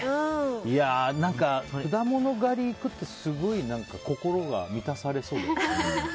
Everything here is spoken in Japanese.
果物狩りに行くってすごい心が満たされそうですね。